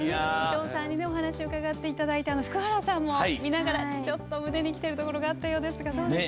伊藤さんのお話を伺いながら福原さんも見ながらちょっと胸にきているところもあったようですが。